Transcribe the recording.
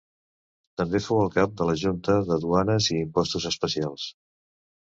També fou el cap de la junta de duanes i impostos especials.